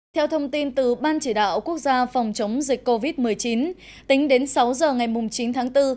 theo thông tin từ ban chỉ đạo quốc gia phòng chống dịch covid một mươi chín tính đến sáu giờ ngày chín tháng bốn